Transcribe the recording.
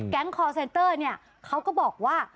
แก๊งคอร์เซนเตอร์เขาก็บอกว่า